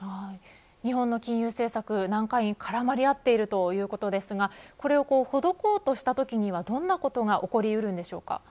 日本の金融政策、難解に絡まり合っているということですがこれをほどこうとしたときにどんなことが起こりうる